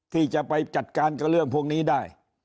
ที่จะไปจัดการกับเรื่องพวกนี้ได้